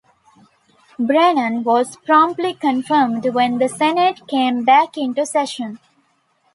Brennan was promptly confirmed when the Senate came back into session.